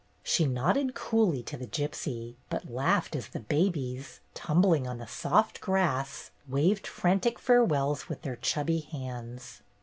She nodded coolly to the gypsy, but laughed as the babies, tumbling on the soft grass, waved frantic farewells with their chubby hands.